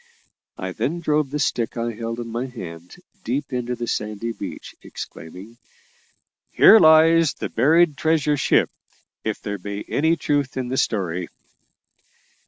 I then drove the stick I held in my hand deep into the sandy beach, exclaiming, "Here lies the buried treasure ship, if there be any truth in the story."